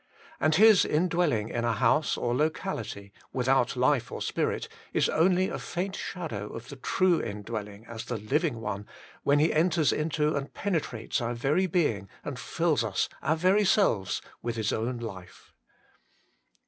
And His indwelling in a house or locality, without life or spirit, is only a faint shadow of the true indwelling as the Living One, when He enters into and penetrates our very being, and fills us, our very selves, with His own life.